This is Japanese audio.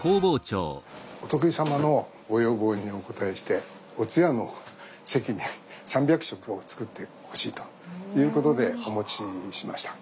お得意様のご要望にお応えしてお通夜の席に３００食を作ってほしいということでお持ちしました。